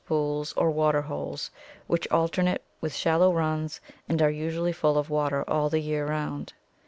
pools or water holes which alternate with shallow runs and are usually full of water all the year round.